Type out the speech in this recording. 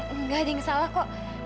enggak ada yang salah kok